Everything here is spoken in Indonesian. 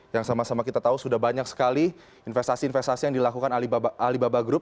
yang sama sama kita tahu sudah banyak sekali investasi investasi yang dilakukan alibaba group